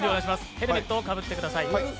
ヘルメットをかぶってください。